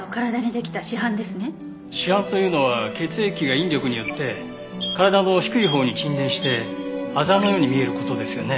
死斑というのは血液が引力によって体の低いほうに沈殿してあざのように見える事ですよね。